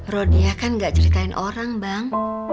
rodiah kan gak ceritain orang bang